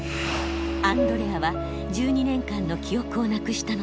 アンドレアは１２年間の記憶をなくしたのです。